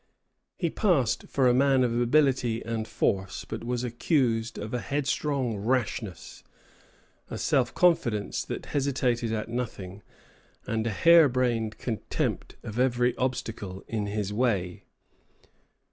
He passed for a man of ability and force, but was accused of a headstrong rashness, a self confidence that hesitated at nothing, and a harebrained contempt of every obstacle in his way.